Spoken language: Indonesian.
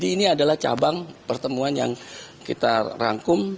ini adalah cabang pertemuan yang kita rangkum